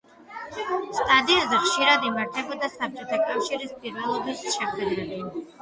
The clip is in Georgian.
სტადიონზე ხშირად იმართებოდა საბჭოთა კავშირის პირველობის შეხვედრები.